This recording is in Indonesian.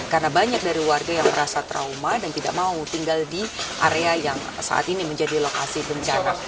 karena banyak dari warga yang merasa trauma dan tidak mau tinggal di area yang saat ini menjadi lokasi bencana